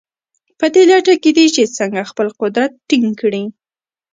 په دې لټه کې دي چې څنګه خپل قدرت ټینګ کړي.